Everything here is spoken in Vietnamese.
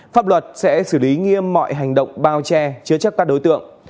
pháp luật sẽ xử lý nghiêm mọi hành động bao che chứa chấp các đối tượng